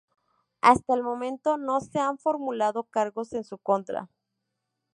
Hasta el momento no se han formulado cargos en su contra.